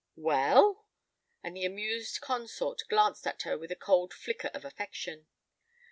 "Well?" And the amused consort glanced at her with a cold flicker of affection.